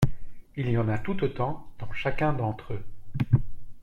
Il y en a tout autant dans chacun d’entre eux.